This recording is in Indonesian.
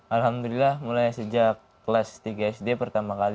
alhamdulillah mulai sejak kelas tiga sd pertama kali